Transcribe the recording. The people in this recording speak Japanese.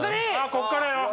ここからよ！